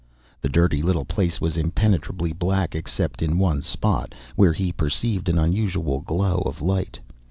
The dirty little place was impenetrably black except in one spot, where he perceived an unusual glow of light.